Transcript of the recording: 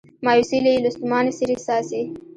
مایوسي یې له ستومانه څیرې څاڅي